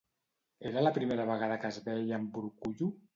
Era la primera vegada que es veia amb Urkullu?